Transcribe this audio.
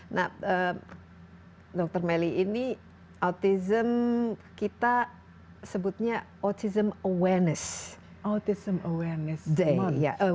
nah dr melly ini autism kita sebutnya autism awareness autism awareness